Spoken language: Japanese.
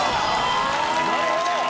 なるほど！